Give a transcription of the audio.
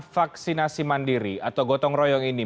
vaksinasi mandiri atau gotong royong ini